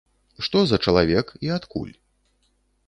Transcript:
Што за чалавек і адкуль?